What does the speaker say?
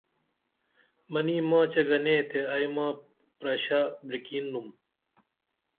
منی ماچے گنے تے ائی ما پرشہ برکینُم